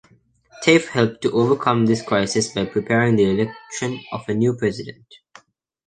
Taif helped to overcome this crisis by preparing the election of a new president.